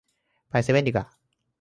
ไปเซเว่นดีกว่า